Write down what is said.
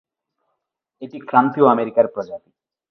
এটি ক্রান্তীয় আমেরিকার প্রজাতি।